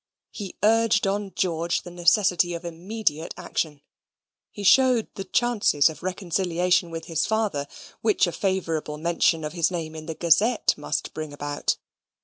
He urged on George the necessity of immediate action: he showed the chances of reconciliation with his father, which a favourable mention of his name in the Gazette must bring about.